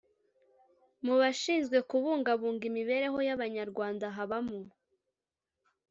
mu bashinzwe kubungabunga imibereho y’abanyarwanda habamo